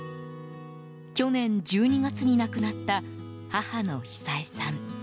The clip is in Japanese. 去年１２月に亡くなった母の久枝さん。